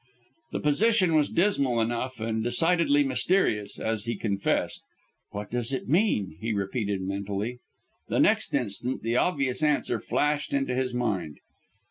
The position was dismal enough, and decidedly mysterious, as he confessed. "What does it mean?" he repeated mentally. The next instant the obvious answer flashed into his mind.